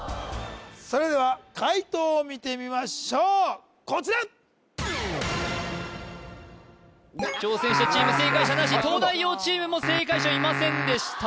それでは解答を見てみましょうこちら挑戦者チーム正解者なし東大王チームも正解者いませんでした